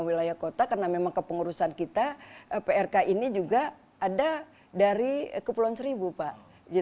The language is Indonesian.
wilayah kota karena memang kepengurusan kita prk ini juga ada dari kepulauan seribu pak